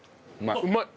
うまい！